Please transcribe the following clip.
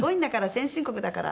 「先進国だから」